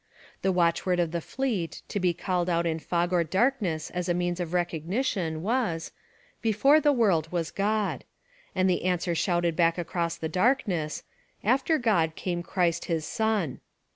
The watchword of the fleet, to be called out in fog or darkness as a means of recognition was 'Before the World was God,' and the answer shouted back across the darkness, 'After God came Christ His Son.'